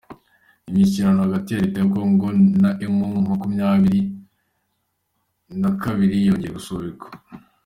Imishyikirano hagati ya Leta ya kongo na emu makumyabiri nakabiri yongeye gusubikwa